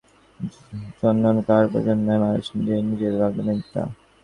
এই কারণে মানুষের ভাগ্য-নিয়ন্ত্রণের জন্য অন্য কাহারও প্রয়োজন নাই, মানুষ নিজেই নিজের ভাগ্যনিয়ন্তা।